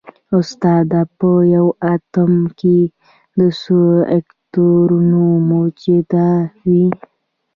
استاده په یو اتوم کې څو الکترونونه موجود وي